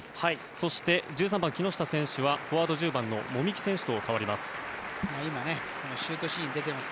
そして、１３番の木下選手はフォワード１０番の籾木選手と代わります。